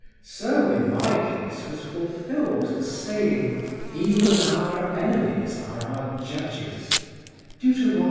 So in my case was fulfilled the saying: "Even our enemies are our judges" (Deut.